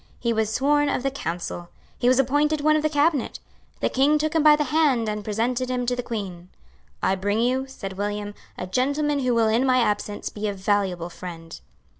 He was sworn of the Council. He was appointed one of the Cabinet. The King took him by the hand and presented him to the Queen. "I bring you," said William, "a gentleman who will in my absence be a valuable friend."